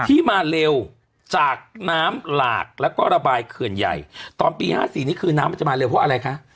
ที่มาเร็วจากน้ำหลากแล้วก็ระบายเขื่อนใหญ่ตอนปี๕๔นี่คือน้ำมันจะมาเร็วเพราะอะไรคะ